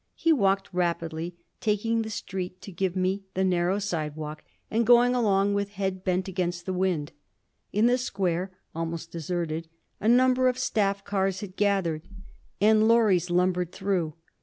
He walked rapidly, taking the street to give me the narrow sidewalk and going along with head bent against the wind. In the square, almost deserted, a number of staff cars had gathered, and lorries lumbered through.